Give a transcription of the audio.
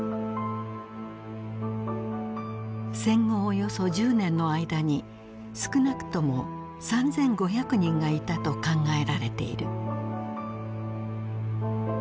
戦後およそ１０年の間に少なくとも３，５００人がいたと考えられている。